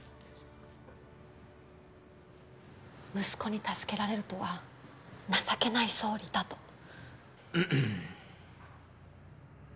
「息子に助けられるとは情けない総理だ」と。